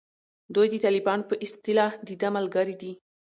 دوی د طالبانو په اصطلاح دده ملګري دي.